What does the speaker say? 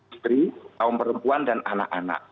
istri kaum perempuan dan anak anak